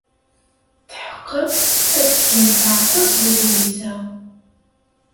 Tḥeqqeɣ ad k-yenfeɛ aṭas wedlis-a.